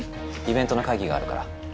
イベントの会議があるから。